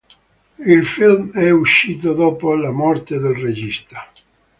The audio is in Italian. Il film è uscito dopo la morte del regista.